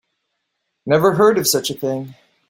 Never heard of such a thing.